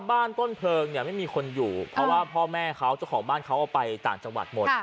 ต้นเพลิงเนี่ยไม่มีคนอยู่เพราะว่าพ่อแม่เขาเจ้าของบ้านเขาเอาไปต่างจังหวัดหมด